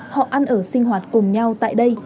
họ ăn ở sinh hoạt cùng nhau tại đây